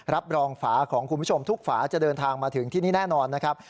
รับรองฝาของคุณผู้ชมทุกฝาจะเดินทางมาถึงที่นี่แน่นอนนะครับ